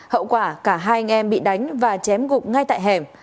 hậu quả cả hai anh em bị đánh và chém gục ngay tại hẻm